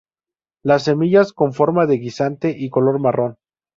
Las semillas con forma de guisante y color marrón.